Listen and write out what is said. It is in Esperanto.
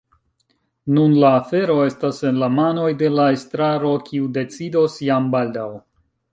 Nun la afero estas en la manoj de la estraro, kiu decidos jam baldaŭ.